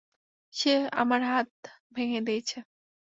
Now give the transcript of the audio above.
সে আমার হাত ভেঙ্গে দিয়েছে।